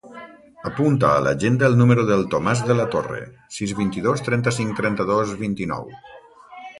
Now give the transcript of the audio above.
Apunta a l'agenda el número del Tomàs De La Torre: sis, vint-i-dos, trenta-cinc, trenta-dos, vint-i-nou.